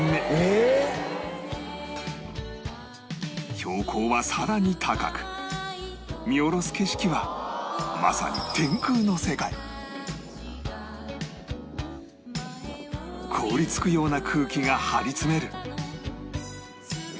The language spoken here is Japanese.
標高は更に高く見下ろす景色はまさに凍りつくような空気が張り詰める